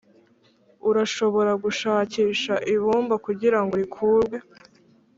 urashobora gushakisha ibumba kugirango rikurwe,